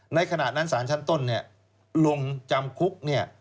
ในขณะนั้นสารชั้นต้นลงจำคุก